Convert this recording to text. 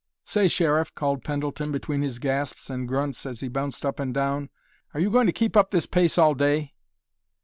"Say, Sheriff," called Pendleton between his gasps and grunts as he bounced up and down, "are you going to keep up this pace all day?"